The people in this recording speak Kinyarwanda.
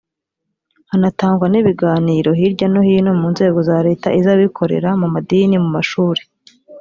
hanatangwa n ibiganiro hirya no hino mu nzego za leta iz abikorera mu madini mu mashuri